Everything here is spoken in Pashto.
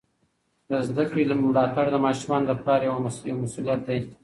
د زده کړې ملاتړ د ماشومانو د پلار یوه مسؤلیت ده.